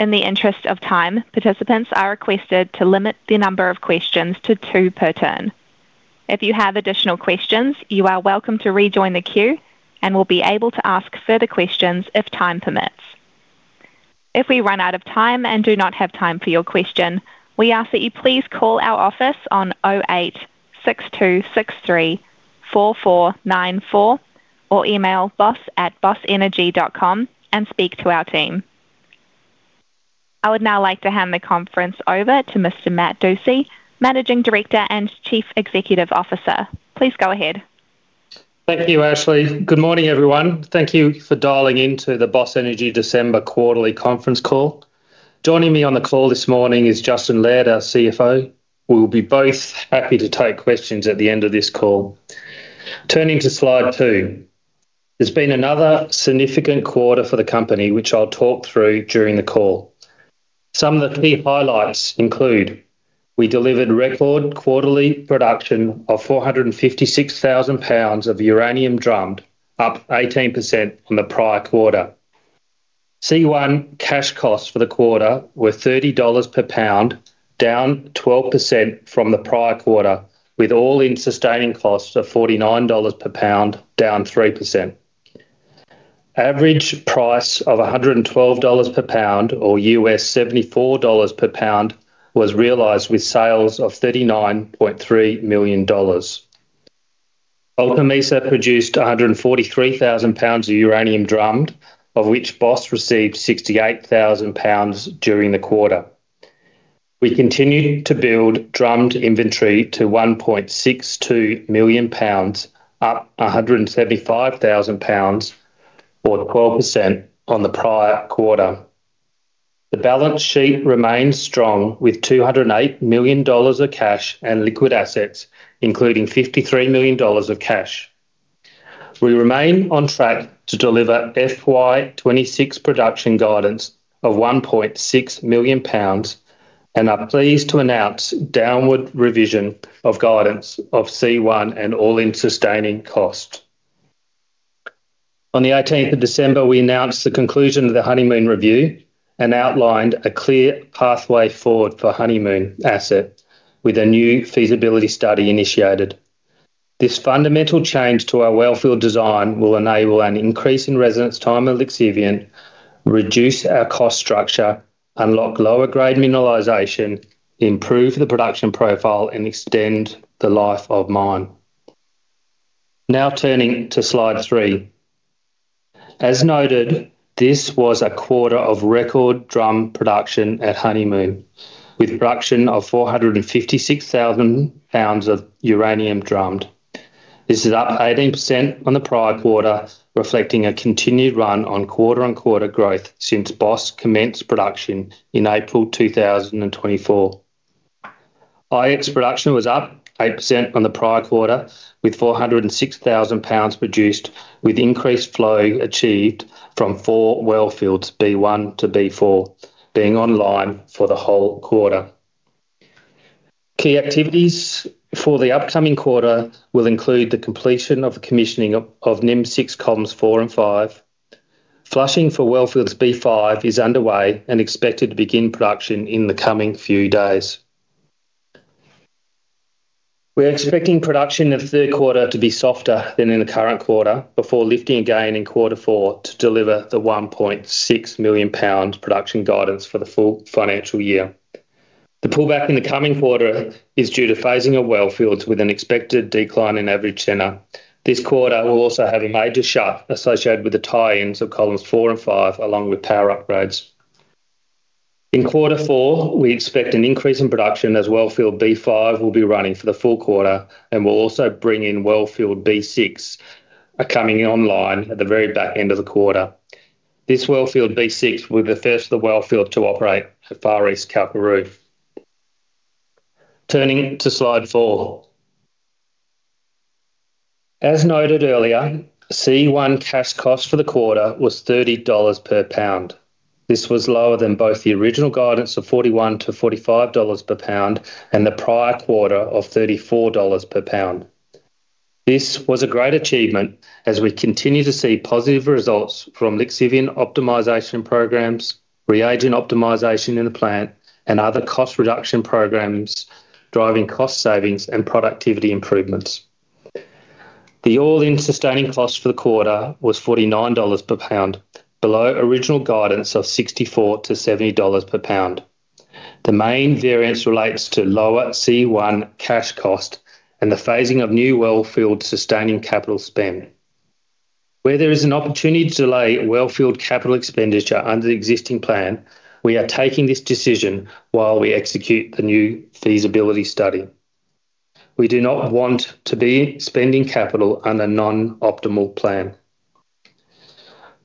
In the interest of time, participants are requested to limit the number of questions to two per turn. If you have additional questions, you are welcome to rejoin the queue, and we'll be able to ask further questions if time permits. If we run out of time and do not have time for your question, we ask that you please call our office on 0862634494 or email boss@bossenergy.com and speak to our team. I would now like to hand the conference over to Mr. Matt Dusci, Managing Director and Chief Executive Officer. Please go ahead. Thank you, Ashley. Good morning, everyone. Thank you for dialing into the Boss Energy December quarterly conference call. Joining me on the call this morning is Justin Laird, our CFO. We will be both happy to take questions at the end of this call. Turning to slide two, there's been another significant quarter for the company, which I'll talk through during the call. Some of the key highlights include, we delivered record quarterly production of 456,000 lbs of uranium drummed, up 18% from the prior quarter. C1 cash costs for the quarter were 30 dollars per pound, down 12% from the prior quarter, with all-in sustaining costs of 49 dollars per pound, down 3%. Average price of 112 dollars per pound, or US$74 per pound, was realized with sales of 39.3 million dollars. Alta Mesa produced 143,000 lbs of uranium drummed, of which Boss received 68,000lbs during the quarter. We continued to build drummed inventory to 1.62 million lbs, up 175,000 pounds, or 12% from the prior quarter. The balance sheet remains strong, with AUD 208 million of cash and liquid assets, including AUD 53 million of cash. We remain on track to deliver FY 2026 production guidance of 1.6 million lbs, and are pleased to announce downward revision of guidance of C1 and All-in Sustaining Costs. On the 18th of December, we announced the conclusion of the Honeymoon Review and outlined a clear pathway forward for Honeymoon Asset, with a new feasibility study initiated. This fundamental change to our wellfield design will enable an increase in residence time and lixiviant, reduce our cost structure, unlock lower-grade mineralization, improve the production profile, and extend the life of mine. Now turning to slide three. As noted, this was a quarter of record drum production at Honeymoon, with production of 456,000 lbs of uranium drummed. This is up 18% from the prior quarter, reflecting a continued run on quarter-on-quarter growth since Boss commenced production in April 2024. IX production was up 8% from the prior quarter, with 406,000 lbs produced, with increased flow achieved from four Wellfields B1 to B4, being online for the whole quarter. Key activities for the upcoming quarter will include the completion of commissioning of NIMCIX columns 4 and 5. Flushing for Wellfield B5 is underway and expected to begin production in the coming few days. We're expecting production in the third quarter to be softer than in the current quarter, before lifting again in quarter four to deliver the 1.6 million lbs production guidance for the full financial year. The pullback in the coming quarter is due to phasing of wellfields with an expected decline in average tenor. This quarter will also have a major shut associated with the tie-ins of columns four and five, along with power upgrades. In quarter four, we expect an increase in production as Wellfield B5 will be running for the full quarter, and we'll also bring in Wellfield B6 coming online at the very back end of the quarter. This Wellfield B6 will be the first of the wellfields to operate at Far East Kalkaroo. Turning to slide four. As noted earlier, C1 Cash Costs for the quarter was 30 dollars per pound. This was lower than both the original guidance of 41-45 dollars per pound and the prior quarter of 34 dollars per pound. This was a great achievement as we continue to see positive results from lixiviant optimization programs, reagent optimization in the plant, and other cost reduction programs driving cost savings and productivity improvements. The all-in sustaining cost for the quarter was 49 dollars per pound, below original guidance of 64-70 dollars per pound. The main variance relates to lower C1 cash cost and the phasing of new wellfield sustaining capital spend. Where there is an opportunity to delay wellfield capital expenditure under the existing plan, we are taking this decision while we execute the new feasibility study. We do not want to be spending capital under non-optimal plan.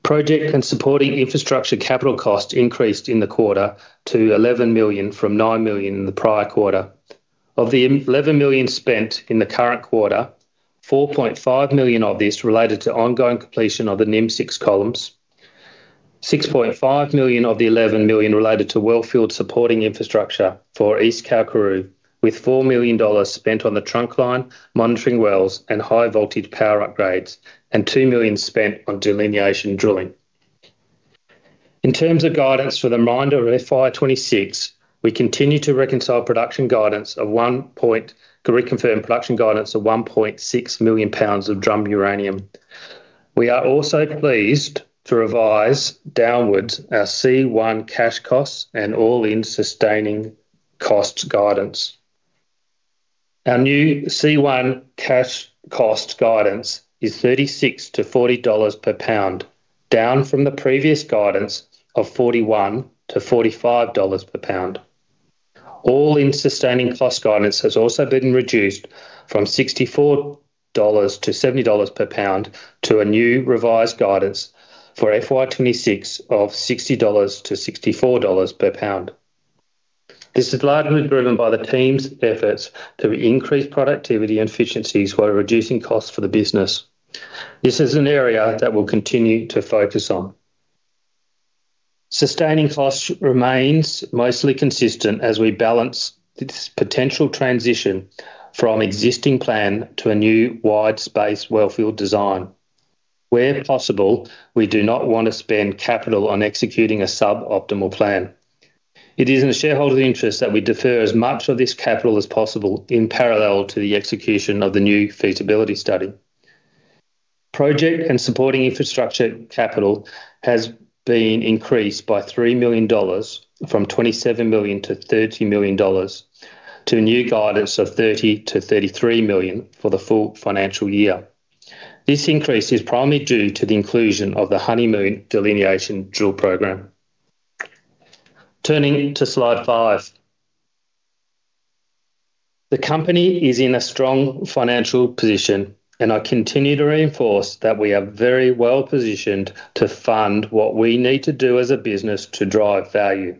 Project and supporting infrastructure capital costs increased in the quarter to 11 million from 9 million in the prior quarter. Of the 11 million spent in the current quarter, 4.5 million of this related to ongoing completion of the NIMCIX columns, 6.5 million of the 11 million related to wellfield supporting infrastructure for East Kalkaroo, with 4 million dollars spent on the trunk line, monitoring wells, and high-voltage power upgrades, and 2 million spent on delineation drilling. In terms of guidance for the remainder of FY 2026, we continue to reconfirm production guidance of 1.6 million lbs of drummed uranium. We are also pleased to revise downwards our C1 cash costs and all-in sustaining cost guidance. Our new C1 cash cost guidance is 36-40 dollars per pound, down from the previous guidance of 41-45 dollars per pound. All-in sustaining cost guidance has also been reduced from 64-70 dollars per pound to a new revised guidance for FY 2026 of 60-64 dollars per pound. This is largely driven by the team's efforts to increase productivity and efficiencies while reducing costs for the business. This is an area that we'll continue to focus on. Sustaining costs remain mostly consistent as we balance this potential transition from existing plan to a new wide-space wellfield design. Where possible, we do not want to spend capital on executing a suboptimal plan. It is in the shareholder's interest that we defer as much of this capital as possible in parallel to the execution of the new feasibility study. Project and supporting infrastructure capital has been increased by 3 million dollars from 27 million-30 million dollars to a new guidance of 30 million-33 million for the full financial year. This increase is primarily due to the inclusion of the Honeymoon Delineation Drill Program. Turning to slide five. The company is in a strong financial position, and I continue to reinforce that we are very well positioned to fund what we need to do as a business to drive value.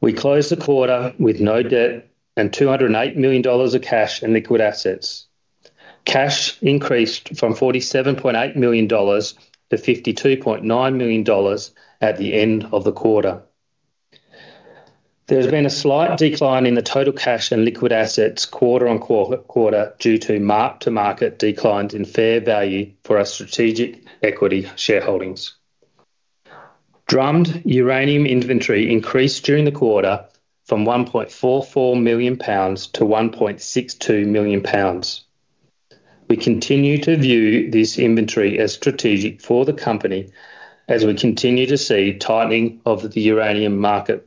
We closed the quarter with no debt and 208 million dollars of cash and liquid assets. Cash increased from 47.8 million dollars to 52.9 million dollars at the end of the quarter. There has been a slight decline in the total cash and liquid assets quarter-over-quarter due to mark-to-market declines in fair value for our strategic equity shareholdings. Drummed uranium inventory increased during the quarter from 1.44 million lbs-1.62 million lbs. We continue to view this inventory as strategic for the company as we continue to see tightening of the uranium market.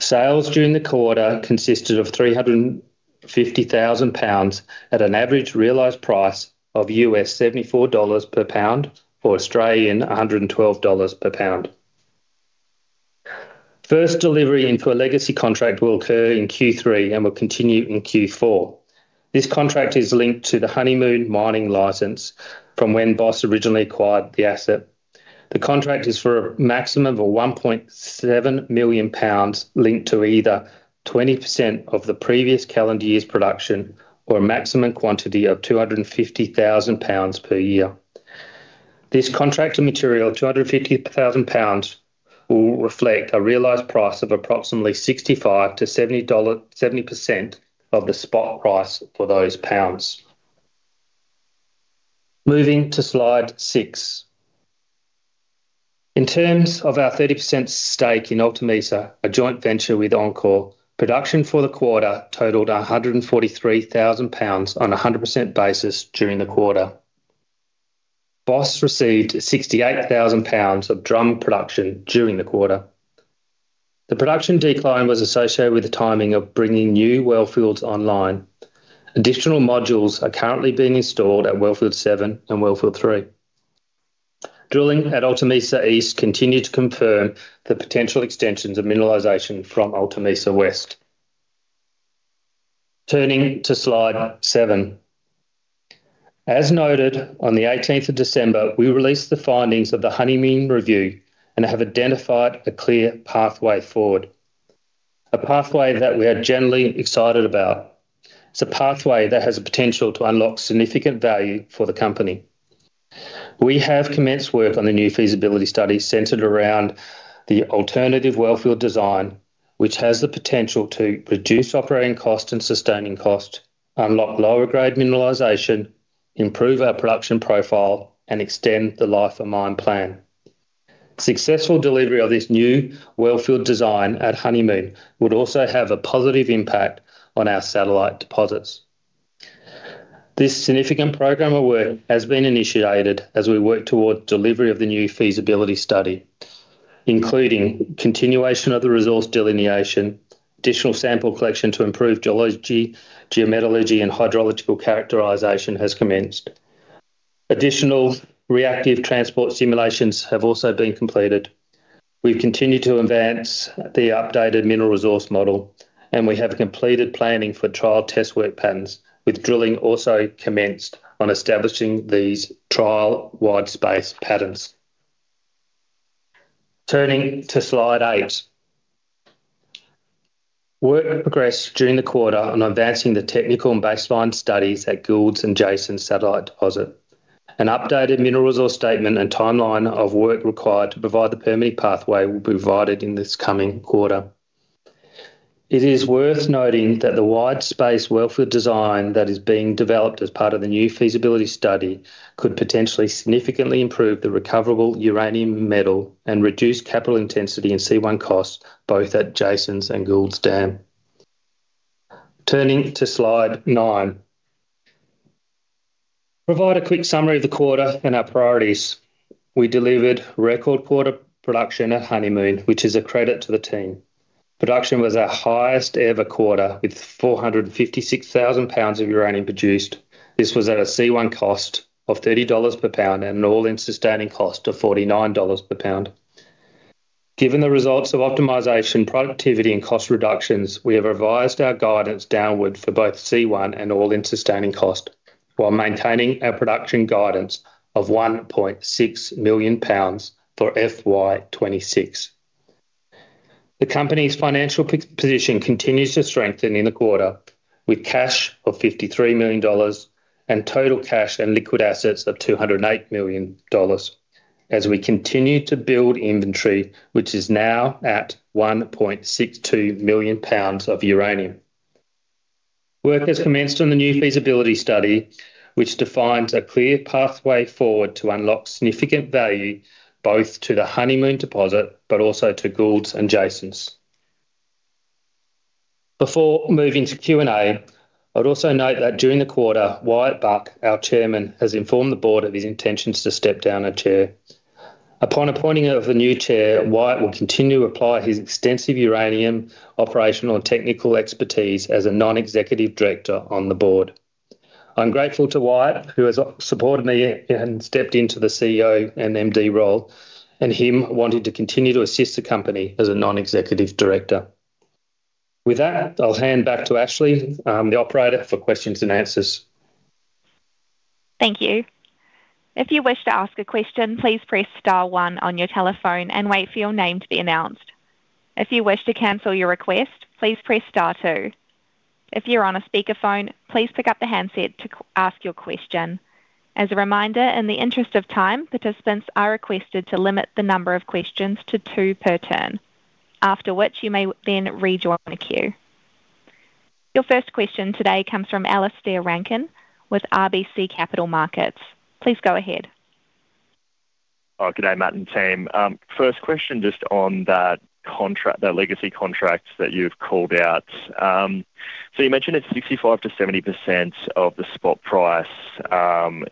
Sales during the quarter consisted of 350,000 lbs at an average realized price of 74 dollars per pound or 112 Australian dollars per pound. First delivery into a legacy contract will occur in Q3 and will continue in Q4. This contract is linked to the Honeymoon Mining license from when Boss originally acquired the asset. The contract is for a maximum of 1.7 million lbs linked to either 20% of the previous calendar year's production or a maximum quantity of 250,000 lbs per year. This contract and material, 250,000 lbs, will reflect a realized price of approximately 65%-70% of the spot price for those pounds. Moving to slide six. In terms of our 30% stake in Alta Mesa, a joint venture with enCore, production for the quarter totaled 143,000 lbs on a 100% basis during the quarter. Boss received 68,000 lbs of drummed production during the quarter. The production decline was associated with the timing of bringing new wellfields online. Additional modules are currently being installed at Wellfield 7 and Wellfield 3. Drilling at Alta Mesa East continued to confirm the potential extensions of mineralization from Alta Mesa West. Turning to slide seven. As noted, on the 18th of December, we released the findings of the Honeymoon Review and have identified a clear pathway forward, a pathway that we are generally excited about. It's a pathway that has the potential to unlock significant value for the company. We have commenced work on the new feasibility study centered around the alternative wellfield design, which has the potential to reduce operating costs and sustaining costs, unlock lower-grade mineralization, improve our production profile, and extend the life of mine plan. Successful delivery of this new wellfield design at Honeymoon would also have a positive impact on our satellite deposits. This significant program of work has been initiated as we work toward delivery of the new feasibility study, including continuation of the resource delineation. Additional sample collection to improve geology, geometry, and hydrological characterization has commenced. Additional reactive transport simulations have also been completed. We've continued to advance the updated mineral resource model, and we have completed planning for trial test work patterns, with drilling also commenced on establishing these trial wide-space patterns. Turning to slide eight. Work progressed during the quarter on advancing the technical and baseline studies at Gould's and Jason's satellite deposit. An updated mineral resource statement and timeline of work required to provide the permitting pathway will be provided in this coming quarter. It is worth noting that the wide-space wellfield design that is being developed as part of the new feasibility study could potentially significantly improve the recoverable uranium metal and reduce capital intensity and C1 costs both at Jason's and Gould's Dam. Turning to slide nine. Provide a quick summary of the quarter and our priorities. We delivered record quarter production at Honeymoon, which is a credit to the team. Production was our highest ever quarter with 456,000 lbs of uranium produced. This was at a C1 cost of 30 dollars per pound and an all-in sustaining cost of 49 dollars per pound. Given the results of optimization, productivity, and cost reductions, we have revised our guidance downward for both C1 and all-in sustaining cost while maintaining our production guidance of 1.6 million lbs for FY 2026. The company's financial position continues to strengthen in the quarter with cash of AUD 53 million and total cash and liquid assets of AUD 208 million as we continue to build inventory, which is now at 1.62 million lbs of uranium. Work has commenced on the new feasibility study, which defines a clear pathway forward to unlock significant value both to the Honeymoon Deposit but also to Gould's and Jason's. Before moving to Q&A, I'd also note that during the quarter, Wyatt Buck, our Chairman, has informed the board of his intentions to step down as chair. Upon appointment of the new chair, Wyatt will continue to apply his extensive uranium operational and technical expertise as a non-executive director on the board. I'm grateful to Wyatt, who has supported me and stepped into the CEO and MD role, and his wanting to continue to assist the company as a non-executive director. With that, I'll hand back to Ashley, the operator, for questions and answers. Thank you. If you wish to ask a question, please press star one on your telephone and wait for your name to be announced. If you wish to cancel your request, please press star two. If you're on a speakerphone, please pick up the handset to ask your question. As a reminder, in the interest of time, participants are requested to limit the number of questions to two per turn, after which you may then rejoin the queue. Your first question today comes from Alistair Rankin with RBC Capital Markets. Please go ahead. Good day, Matt and team. First question just on that legacy contract that you've called out. So you mentioned it's 65%-70% of the spot price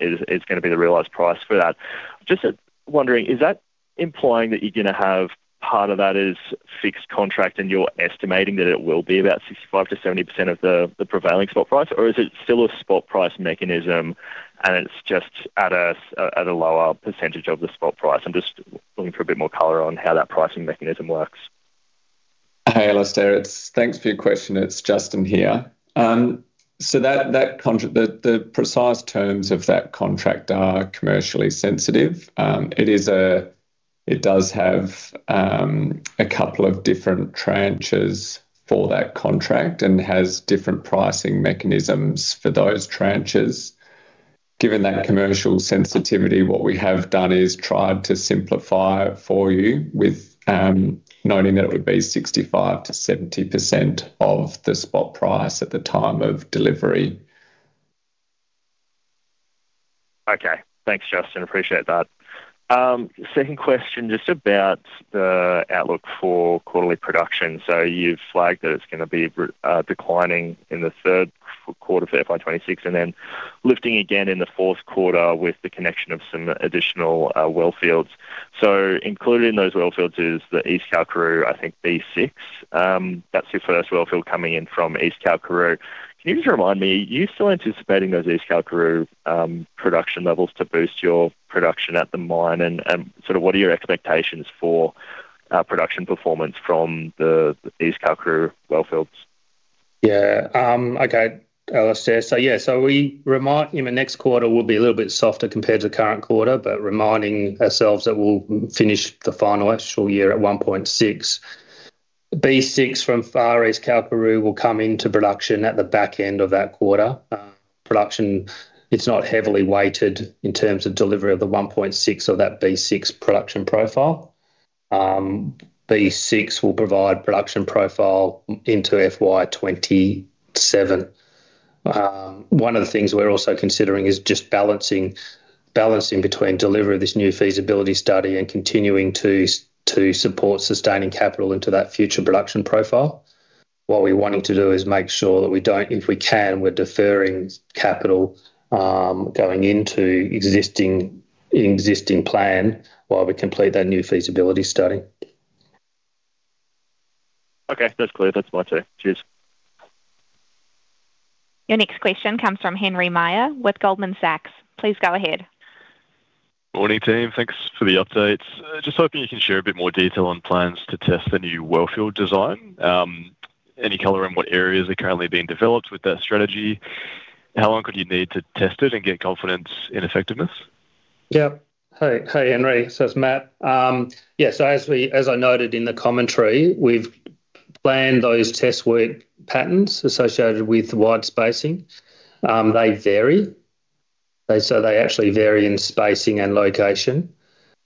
is going to be the realized price for that. Just wondering, is that implying that you're going to have part of that as fixed contract and you're estimating that it will be about 65%-70% of the prevailing spot price, or is it still a spot price mechanism and it's just at a lower percentage of the spot price? I'm just looking for a bit more color on how that pricing mechanism works. Hey, Alistair, thanks for your question. It's Justin here. So the precise terms of that contract are commercially sensitive. It does have a couple of different tranches for that contract and has different pricing mechanisms for those tranches. Given that commercial sensitivity, what we have done is tried to simplify it for you with noting that it would be 65%-70% of the spot price at the time of delivery. Okay. Thanks, Justin. Appreciate that. Second question just about the outlook for quarterly production. So you've flagged that it's going to be declining in the third quarter of FY 2026 and then lifting again in the fourth quarter with the connection of some additional well fields. So included in those well fields is the East Kalkaroo, I think, B6. That's your first well field coming in from East Kalkaroo. Can you just remind me, are you still anticipating those East Kalkaroo production levels to boost your production at the mine and sort of what are your expectations for production performance from the East Kalkaroo well fields? Yeah. Okay, Alistair. So yeah, so we remind you my next quarter will be a little bit softer compared to the current quarter, but reminding ourselves that we'll finish the final actual year at 1.6 million lbs. B6 from Far East Kalkaroo will come into production at the back end of that quarter. Production, it's not heavily weighted in terms of delivery of the 1.6 million lbs of that B6 production profile. B6 will provide production profile into FY 2027. One of the things we're also considering is just balancing between delivery of this new feasibility study and continuing to support sustaining capital into that future production profile. What we're wanting to do is make sure that we don't, if we can, we're deferring capital going into existing plan while we complete that new feasibility study. Okay. That's clear. That's my turn. Cheers. Your next question comes from Henry Meyer with Goldman Sachs. Please go ahead. Morning, team. Thanks for the updates. Just hoping you can share a bit more detail on plans to test the new wellfield design. Any color on what areas are currently being developed with that strategy? How long could you need to test it and get confidence in effectiveness? Yep. Hey, Henry. So it's Matt. Yeah. So as I noted in the commentary, we've planned those test work patterns associated with wide spacing. They vary. So they actually vary in spacing and location.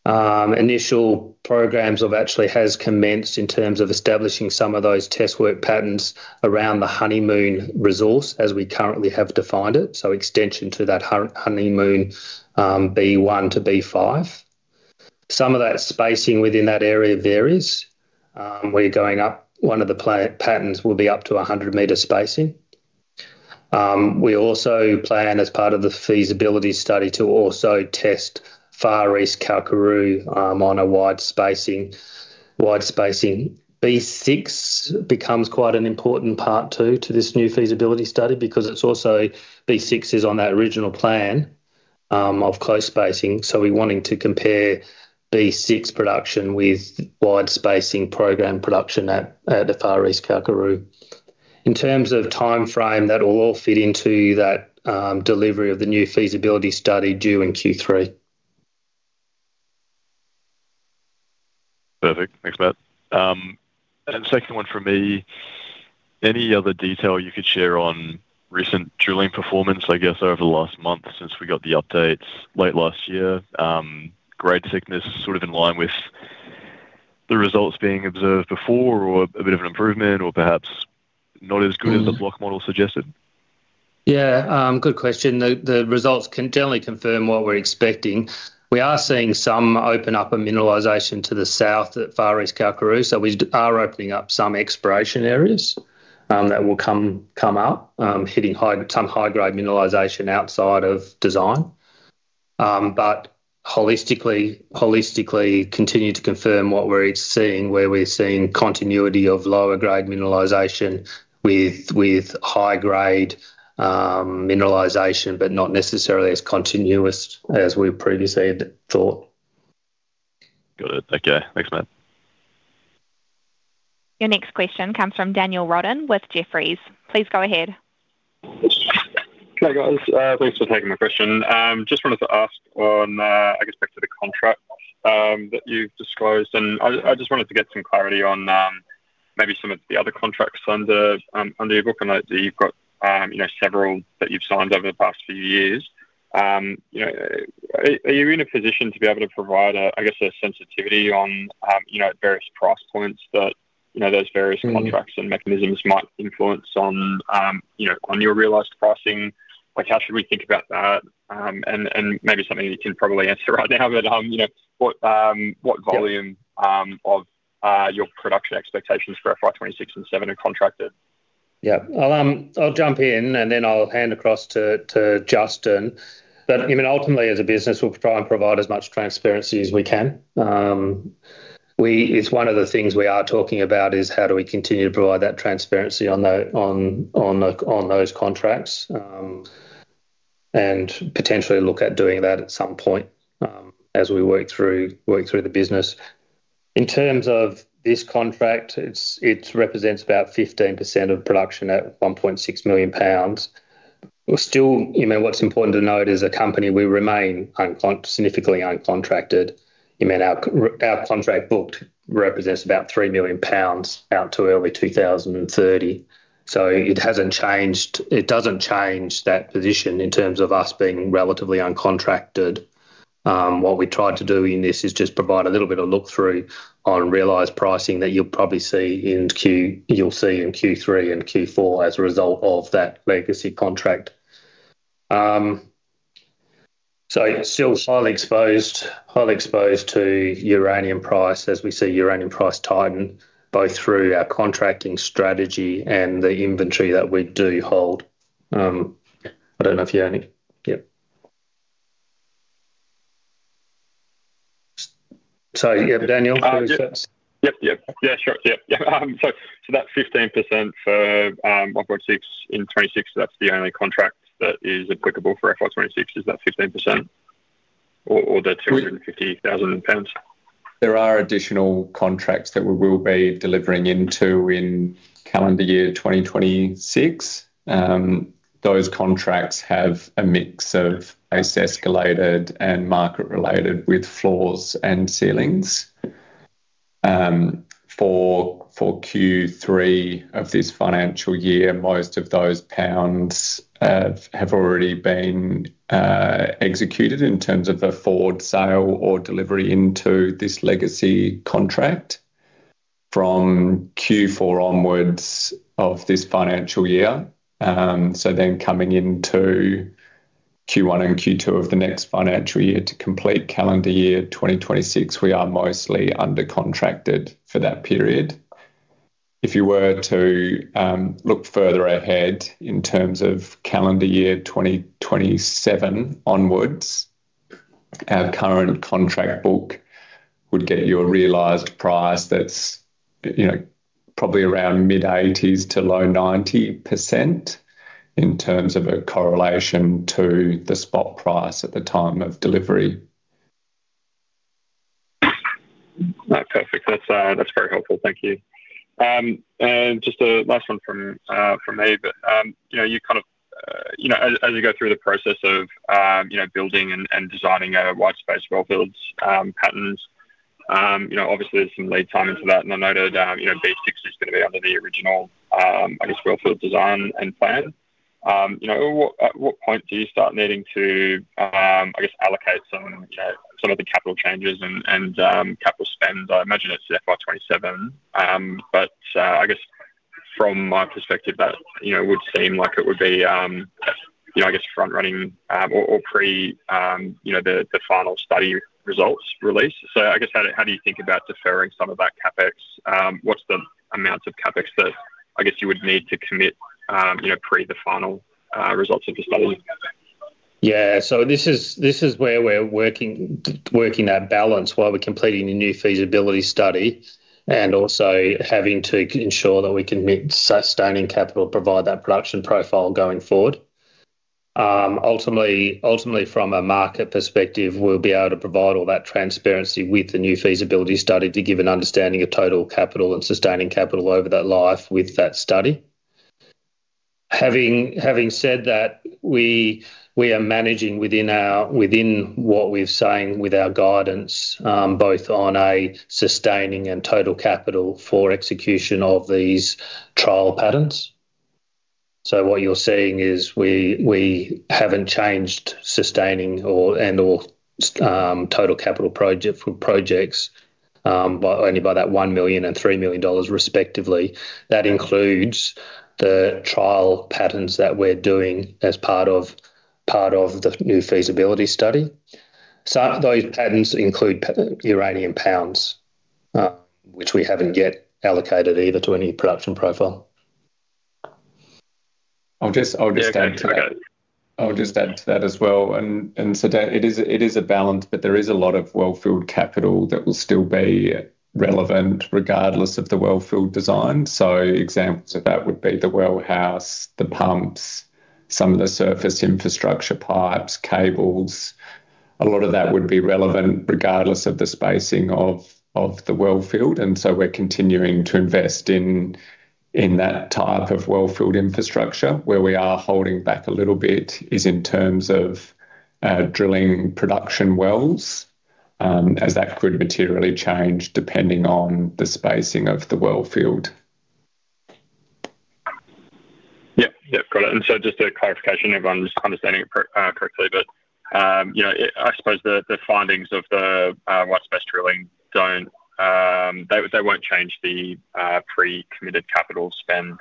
Initial programs have actually commenced in terms of establishing some of those test work patterns around the Honeymoon resource as we currently have defined it. So extension to that Honeymoon B1 to B5. Some of that spacing within that area varies. We're going up one of the patterns will be up to 100 m spacing. We also plan as part of the feasibility study to also test Far East Kalkaroo on a wide spacing. Wide spacing B6 becomes quite an important part too to this new feasibility study because it's also B6 is on that original plan of close spacing. So we're wanting to compare B6 production with wide spacing program production at the Far East Kalkaroo. In terms of timeframe, that will all fit into that delivery of the new feasibility study due in Q3. Perfect. Thanks, Matt. And second one for me, any other detail you could share on recent drilling performance, I guess, over the last month since we got the updates late last year? Grade thickness sort of in line with the results being observed before or a bit of an improvement or perhaps not as good as the block model suggested? Yeah. Good question. The results can generally confirm what we're expecting. We are seeing some opening up of mineralization to the south at Far East Kalkaroo. So we are opening up some exploration areas that will come up, hitting some high-grade mineralization outside of design. But holistically, continue to confirm what we're seeing, where we're seeing continuity of lower-grade mineralization with high-grade mineralization, but not necessarily as continuous as we previously thought. Got it. Okay. Thanks, Matt. Your next question comes from Daniel Roden with Jefferies. Please go ahead. Hi guys. Thanks for taking my question. Just wanted to ask on, I guess, back to the contract that you've disclosed. And I just wanted to get some clarity on maybe some of the other contracts under your book and that you've got several that you've signed over the past few years. Are you in a position to be able to provide, I guess, a sensitivity on various price points that those various contracts and mechanisms might influence on your realized pricing? How should we think about that? And maybe something you can probably answer right now, but what volume of your production expectations for FY 2026 and 2027 are contracted? Yeah. I'll jump in and then I'll hand across to Justin. Ultimately, as a business, we'll try and provide as much transparency as we can. It's one of the things we are talking about is how do we continue to provide that transparency on those contracts and potentially look at doing that at some point as we work through the business. In terms of this contract, it represents about 15% of production at 1.6 million lbs. Still, what's important to note is a company we remain significantly uncontracted. Our contract book represents about 3 million lbs out to early 2030. So it doesn't change that position in terms of us being relatively uncontracted. What we tried to do in this is just provide a little bit of look-through on realized pricing that you'll probably see in Q3 and Q4 as a result of that legacy contract. So still highly exposed to uranium price as we see uranium price tighten both through our contracting strategy and the inventory that we do hold. I don't know if you only—yeah. So yeah, Daniel, you want to start? Yep, yep. Yeah, sure. Yep, yep. So that 15% for FY 2026 in 2026, that's the only contract that is applicable for FY 2026? Is that 15% or the 250,000 lbs? There are additional contracts that we will be delivering into in calendar year 2026. Those contracts have a mix of base escalated and market-related with floors and ceilings. For Q3 of this financial year, most of those pounds have already been executed in terms of a forward sale or delivery into this legacy contract from Q4 onwards of this financial year. So then coming into Q1 and Q2 of the next financial year to complete calendar year 2026, we are mostly undercontracted for that period. If you were to look further ahead in terms of calendar year 2027 onwards, our current contract book would get you a realized price that's probably around mid-80s% to low 90% in terms of a correlation to the spot price at the time of delivery. Perfect. That's very helpful. Thank you. And just a last one from me. But you kind of—as you go through the process of building and designing wide space wellfield patterns, obviously, there's some lead time into that. And I noted B6 is going to be under the original, I guess, wellfield design and plan. At what point do you start needing to, I guess, allocate some of the capital changes and capital spend? I imagine it's FY 2027. But I guess from my perspective, that would seem like it would be, I guess, front-running or pre the final study results release. So I guess, how do you think about deferring some of that CapEx? What's the amount of CapEx that, I guess, you would need to commit pre the final results of the study? Yeah. So this is where we're working that balance while we're completing a new feasibility study and also having to ensure that we can sustain capital to provide that production profile going forward. Ultimately, from a market perspective, we'll be able to provide all that transparency with the new feasibility study to give an understanding of total capital and sustaining capital over that life with that study. Having said that, we are managing within what we're saying with our guidance, both on a sustaining and total capital for execution of these trial patterns. So what you're seeing is we haven't changed sustaining and/or total capital projects only by that 1 million and 3 million dollars, respectively. That includes the trial patterns that we're doing as part of the new feasibility study. So those patterns include uranium pounds, which we haven't yet allocated either to any production profile. I'll just add to that. I'll just add to that as well. And so it is a balance, but there is a lot of wellfield capital that will still be relevant regardless of the wellfield design. So examples of that would be the well house, the pumps, some of the surface infrastructure pipes, cables. A lot of that would be relevant regardless of the spacing of the wellfield. And so we're continuing to invest in that type of wellfield infrastructure. Where we are holding back a little bit is in terms of drilling production wells as that could materially change depending on the spacing of the well field. Yep. Yep. Got it. And so just a clarification, if I'm understanding it correctly, but I suppose the findings of the wide space drilling don't—they won't change the pre-committed capital spend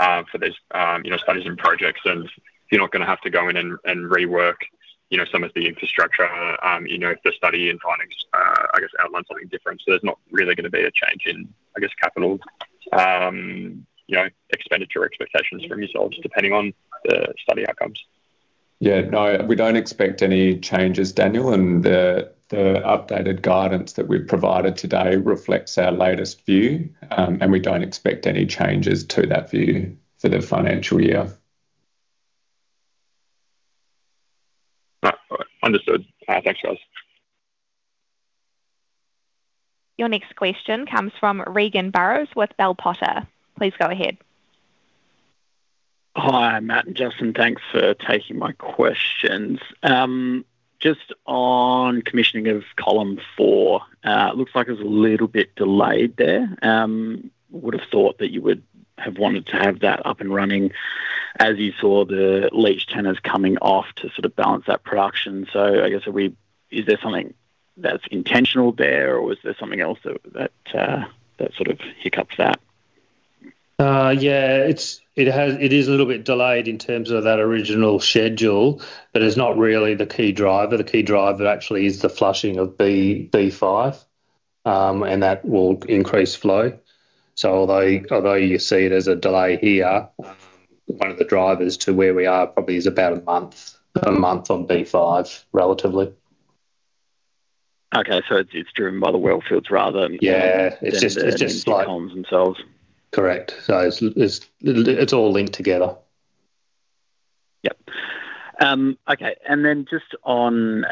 for these studies and projects. And you're not going to have to go in and rework some of the infrastructure if the study and findings, I guess, outline something different. So there's not really going to be a change in, I guess, capital expenditure expectations from yourselves depending on the study outcomes. Yeah. No, we don't expect any changes, Daniel. And the updated guidance that we've provided today reflects our latest view. And we don't expect any changes to that view for the financial year. Understood. Thanks, guys. Your next question comes from Regan Burrows with Bell Potter. Please go ahead. Hi, Matt and Justin. Thanks for taking my questions. Just on commissioning of column 4, it looks like it's a little bit delayed there. Would have thought that you would have wanted to have that up and running as you saw the leach tenors coming off to sort of balance that production. So I guess, is there something that's intentional there or is there something else that sort of hiccups that? Yeah. It is a little bit delayed in terms of that original schedule, but it's not really the key driver. The key driver actually is the flushing of B5, and that will increase flow. So although you see it as a delay here, one of the drivers to where we are probably is about a month on B5, relatively. Okay. So it's driven by the well fields rather than the B5s themselves. Correct. So it's all linked together. Yep. Okay. And then just on,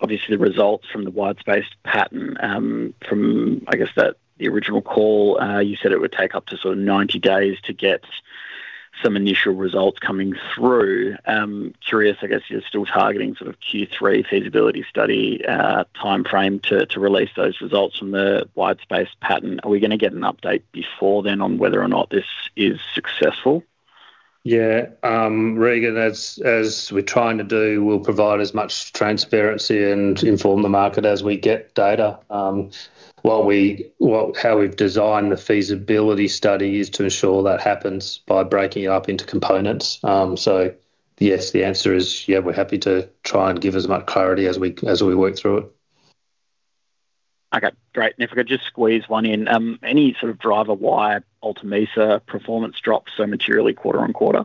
obviously, the results from the wide space pattern from, I guess, the original call, you said it would take up to sort of 90 days to get some initial results coming through. Curious, I guess, you're still targeting sort of Q3 feasibility study timeframe to release those results from the wide space pattern. Are we going to get an update before then on whether or not this is successful? Yeah. Regan, as we're trying to do, we'll provide as much transparency and inform the market as we get data. How we've designed the feasibility study is to ensure that happens by breaking it up into components. So yes, the answer is, yeah, we're happy to try and give as much clarity as we work through it. Okay. Great. And if I could just squeeze one in, any sort of driver why Alta Mesa performance drops so materially quarter-over-quarter?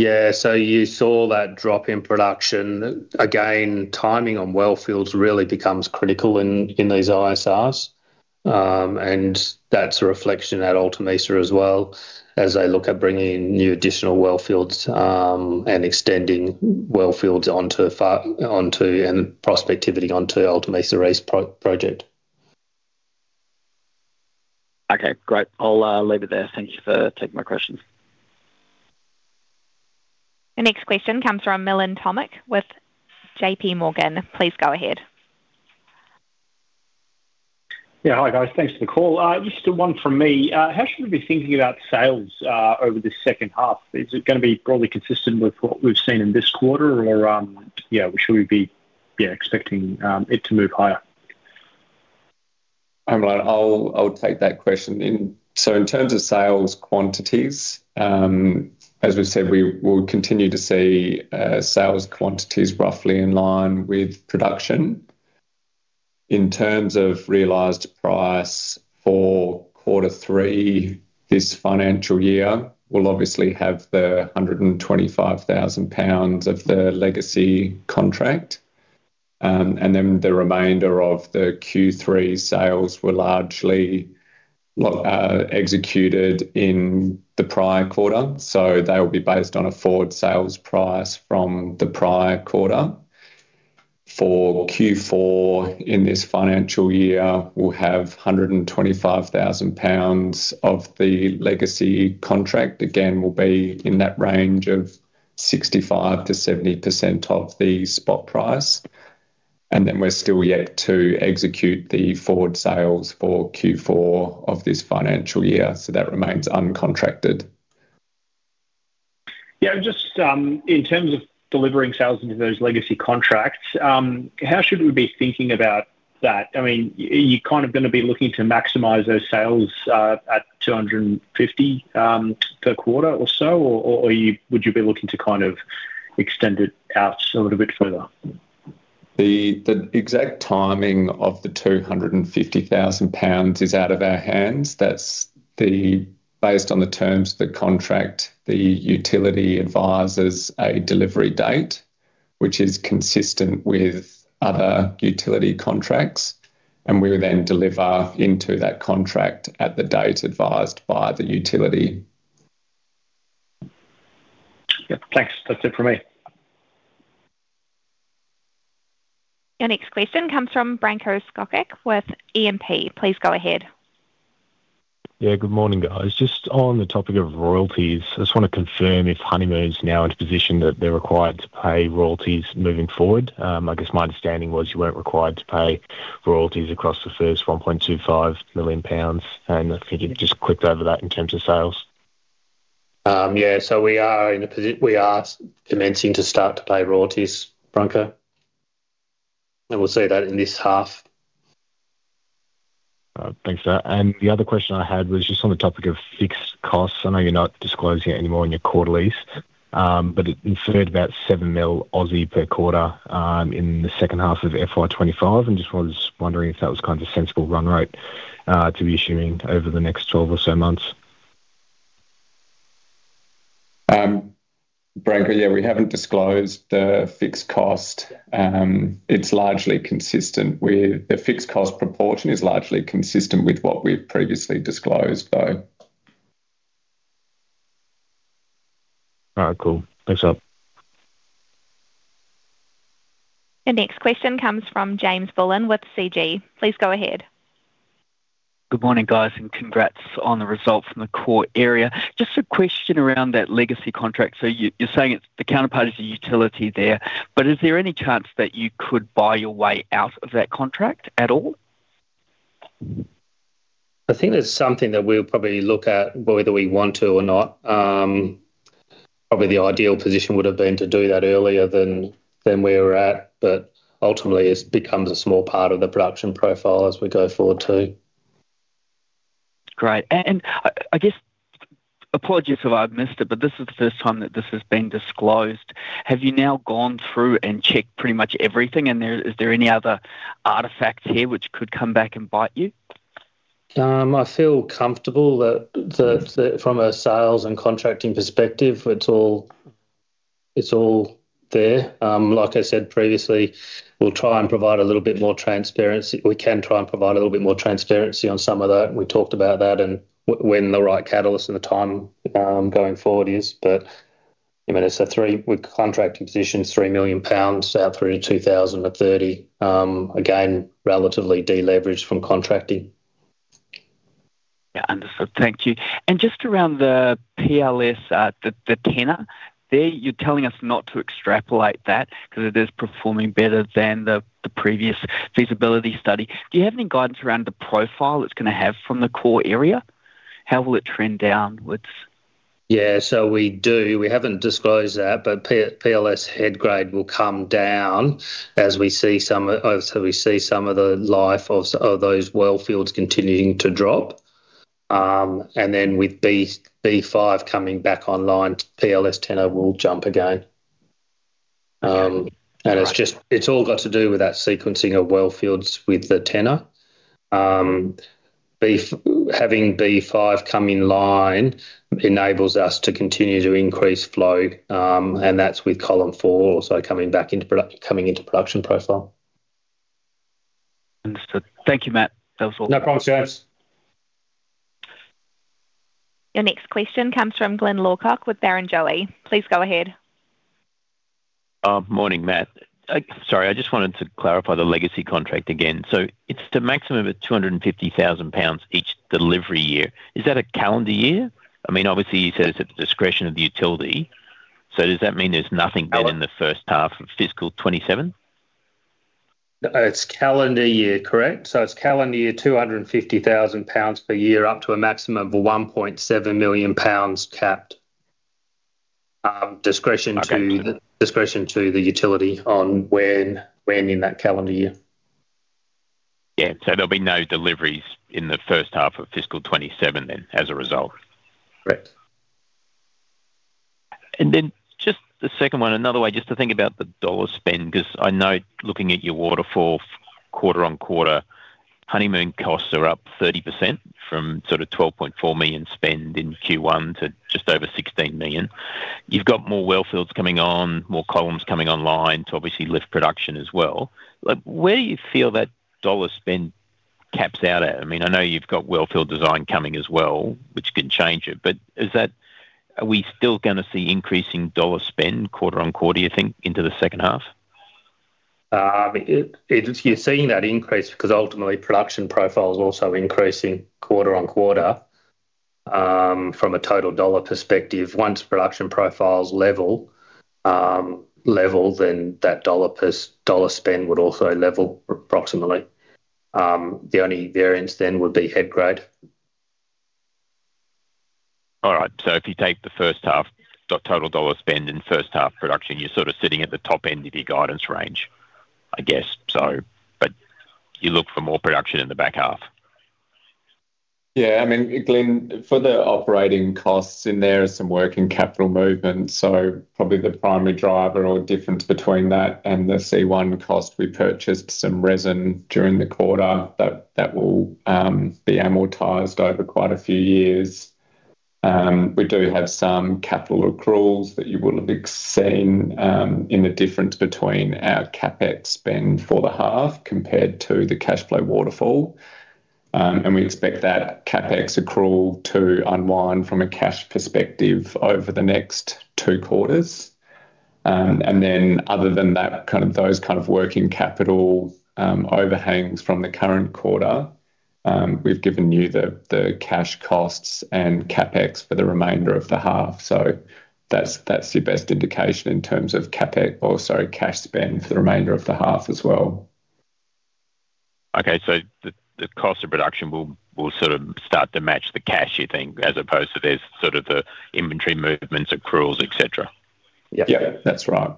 Yeah. So you saw that drop in production. Again, timing on wellfields really becomes critical in these ISRs. And that's a reflection at Alta Mesa as well as they look at bringing in new additional wellfields and extending wellfields onto and prospectivity onto Alta Mesa ISR project. Okay. Great. I'll leave it there. Thank you for taking my questions. Your next question comes from Milan Tomic with JPMorgan. Please go ahead. Yeah. Hi guys. Thanks for the call. Just one from me. How should we be thinking about sales over the second half? Is it going to be broadly consistent with what we've seen in this quarter or, yeah, should we be expecting it to move higher? I'll take that question. So in terms of sales quantities, as we said, we will continue to see sales quantities roughly in line with production. In terms of realized price for quarter three, this financial year, we'll obviously have the 125,000 lbs of the legacy contract. And then the remainder of the Q3 sales were largely executed in the prior quarter. So they will be based on a forward sales price from the prior quarter. For Q4 in this financial year, we'll have 125,000 lbs of the legacy contract. Again, we'll be in that range of 65%-70% of the spot price. And then we're still yet to execute the forward sales for Q4 of this financial year. So that remains uncontracted. Yeah. Just in terms of delivering sales into those legacy contracts, how should we be thinking about that? I mean, you're kind of going to be looking to maximize those sales at 250,000 lbs per quarter or so, or would you be looking to kind of extend it out a little bit further? The exact timing of the 250,000 lbs is out of our hands. That's based on the terms of the contract, the utility advises a delivery date, which is consistent with other utility contracts. And we would then deliver into that contract at the date advised by the utility. Yep. Thanks. That's it from me. Your next question comes from Branko Skocic with Morgan Stanley. Please go ahead. Yeah. Good morning, guys. Just on the topic of royalties, I just want to confirm if Honeymoon is now in a position that they're required to pay royalties moving forward. I guess my understanding was you weren't required to pay royalties across the first AUD 1.25 million. I think you just clicked over that in terms of sales. Yeah. So we are in a position we are commencing to start to pay royalties, Branko. And we'll see that in this half. Thanks, sir. And the other question I had was just on the topic of fixed costs. I know you're not disclosing it anymore in your quarterlies, but it said about 7 million per quarter in the second half of FY 2025. And just was wondering if that was kind of a sensible run rate to be assuming over the next 12 or so months. Branko, yeah, we haven't disclosed the fixed cost. It's largely consistent with the fixed cost proportion is largely consistent with what we've previously disclosed, though. All right. Cool. Thanks, sir. Your next question comes from James Bullen with CG. Please go ahead. Good morning, guys, and congrats on the results from the core area. Just a question around that legacy contract. So you're saying the counterparty is a utility there, but is there any chance that you could buy your way out of that contract at all? I think there's something that we'll probably look at whether we want to or not. Probably the ideal position would have been to do that earlier than we're at. But ultimately, it becomes a small part of the production profile as we go forward too. Great. And I guess, apologies if I've missed it, but this is the first time that this has been disclosed. Have you now gone through and checked pretty much everything? And is there any other artifacts here which could come back and bite you? I feel comfortable that from a sales and contracting perspective, it's all there. Like I said previously, we'll try and provide a little bit more transparency. We can try and provide a little bit more transparency on some of that. We talked about that and when the right catalyst and the time going forward is. But I mean, it's a three-year contracting position, 3 million lbs, sold through to 2030. Again, relatively deleveraged from contracting. Yeah. Understood. Thank you. And just around the PLS, the tenor, you're telling us not to extrapolate that because it is performing better than the previous feasibility study. Do you have any guidance around the profile it's going to have from the core area? How will it trend downwards? Yeah. So we do. We haven't disclosed that, but PLS head grade will come down as we see some of the life of those wellfields continuing to drop. And then with B5 coming back online, PLS tenor will jump again. And it's all got to do with that sequencing of well fields with the tenor. Having B5 come in line enables us to continue to increase flow. And that's with column four also coming back into production profile. Understood. Thank you, Matt. That was all. No problem, James. Your next question comes from Glyn Lawcock with Barrenjoey. Please go ahead. Morning, Matt. Sorry. I just wanted to clarify the legacy contract again. So it's the maximum of 250,000 lbs each delivery year. Is that a calendar year? I mean, obviously, you said it's at the discretion of the utility. So does that mean there's nothing then in the first half of fiscal 2027? It's calendar year, correct. So it's calendar year, 250,000 lbs per year up to a maximum of 1.7 million lbs capped. Discretion to the utility on when in that calendar year. Yeah. So there'll be no deliveries in the first half of fiscal 2027 then as a result. Correct. And then just the second one, another way just to think about the dollar spend, because I know looking at your waterfall quarter-on-quarter, Honeymoon costs are up 30% from sort of 12.4 million spend in Q1 to just over 16 million. You've got more well fields coming on, more columns coming online to obviously lift production as well. Where do you feel that dollar spend caps out at? I mean, I know you've got wellfield design coming as well, which can change it, but are we still going to see increasing dollar spend quarter-on-quarter, you think, into the second half? You're seeing that increase because ultimately, production profile is also increasing quarter-over-quarter from a total dollar perspective. Once production profiles level, then that dollar spend would also level approximately. The only variance then would be head grade. All right. So if you take the first half total dollar spend and first half production, you're sort of sitting at the top end of your guidance range, I guess. But you look for more production in the back half. Yeah. I mean, Glyn, for the operating costs in there, some working capital movement. So probably the primary driver or difference between that and the C1 cost, we purchased some resin during the quarter. That will be amortized over quite a few years. We do have some capital accruals that you wouldn't have seen in the difference between our CapEx spend for the half compared to the cash flow waterfall. And we expect that CapEx accrual to unwind from a cash perspective over the next two quarters. And then other than that, kind of those kind of working capital overhangs from the current quarter, we've given you the cash costs and CapEx for the remainder of the half. So that's your best indication in terms of CapEx or, sorry, cash spend for the remainder of the half as well. Okay. So the cost of production will sort of start to match the cash, you think, as opposed to there's sort of the inventory movements, accruals, etc.? Yeah. That's right.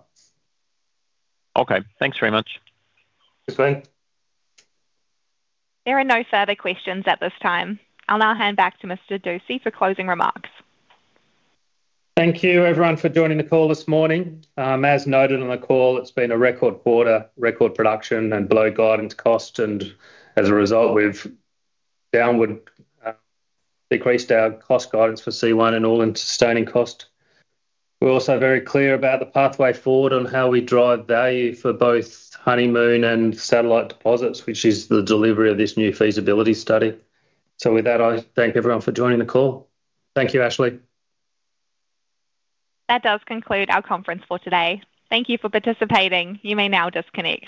Okay. Thanks very much. Thanks. There are no further questions at this time. I'll now hand back to Mr. Dusci for closing remarks. Thank you, everyone, for joining the call this morning. As noted on the call, it's been a record quarter, record production, and below guidance cost. As a result, we've downward decreased our cost guidance for C1 and all-in sustaining cost. We're also very clear about the pathway forward on how we drive value for both Honeymoon and satellite deposits, which is the delivery of this new feasibility study. With that, I thank everyone for joining the call. Thank you, Ashley. That does conclude our conference for today. Thank you for participating. You may now disconnect.